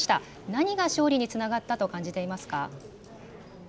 何が勝利につながったと感じていますか。